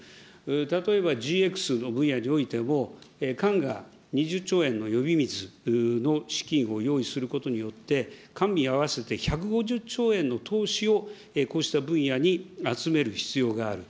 例えばＧＸの分野においても、官が２０兆円の呼び水の資金を用意することによって、官民合わせて１５０兆円の投資を、こうした分野に集める必要がある。